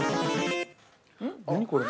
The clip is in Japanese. ◆何これ？